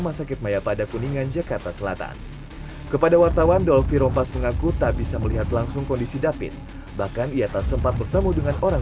hari ini kami tadi sempat berdoa sih di bawahnya kami doakan